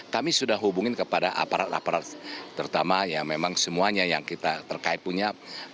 kami sudah hubungin kepada aparat aparat terutama yang memang semuanya yang kita terkait punya